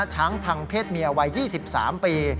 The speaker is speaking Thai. ช้างพังเพศเมียวัย๒๓ปี